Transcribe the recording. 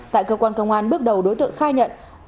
tại cơ quan công an bước đầu đối tượng khai nhận